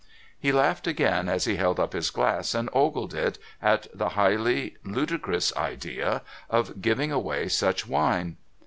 He laughed again, as he held up his glass and ogled it, at the highly ludicrous idea of giving away such wine.